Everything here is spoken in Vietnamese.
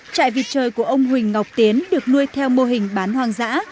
trại vịt trời của ông huỳnh ngọc tiến được nuôi theo mô hình bán hoang dã